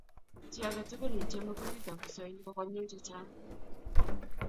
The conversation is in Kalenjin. Chi age tugul nechomei kutitab kiswahili ko konyil chechang